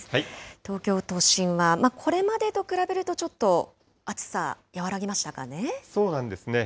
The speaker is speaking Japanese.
東京都心はこれまでと比べると、そうなんですね。